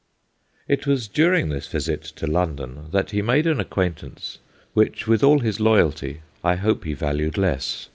It was during this visit to London that he made an acquaintance which with all his loyalty I hope he valued less.